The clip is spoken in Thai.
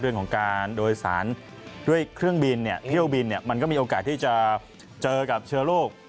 เรื่องของการโดยสารด้วยเครื่องบินเที่ยวบินมันก็มีโอกาสที่จะเจอกับเชื้อโรค